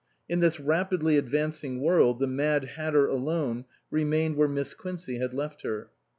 In this rapidly advancing world the Mad Hatter alone remained where Miss Quincey had left her.